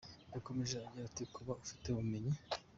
Yakomeje agira ati “Kuba ufite ubumenyi.